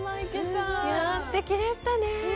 すてきでしたね。